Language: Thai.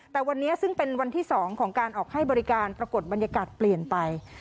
แต่วันนี้ซึ่งเป็นวันที่๒ของการออกให้บริการปรากฏบรรยากาศเปลี่ยนไป